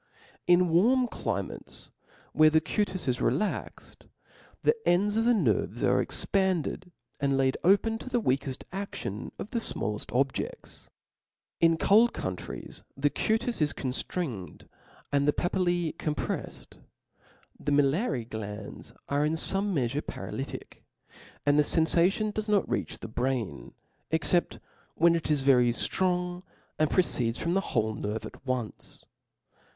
In warm climates where the ' cutis is relaxed, the ends of the nerves are expanded and laid open to the weakeft aftion of the fmalleft gbjefts. In cold countries the cutis is conftringed snd the papillae compreflcd ; the miliary glands are in fome meafure paralytic ; and the fenfa tion does not reach the brain, but when it is very llrong and proceeds from the whole nerve at once.